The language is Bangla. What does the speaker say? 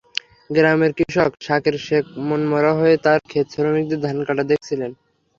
গ্রামের কৃষক সাকের শেখ মনমরা হয়ে তাঁর খেতে শ্রমিকদের ধান কাটা দেখছিলেন।